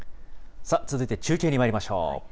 続いて中継にまいりましょう。